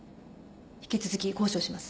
引き続き交渉します。